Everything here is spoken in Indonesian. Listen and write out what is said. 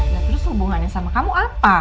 nah terus hubungannya sama kamu apa